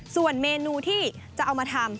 ส่วนเมนูที่จะเอามาทำ